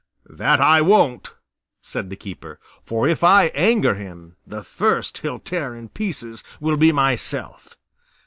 "That I won't," said the keeper; "for if I anger him, the first he'll tear in pieces will be myself.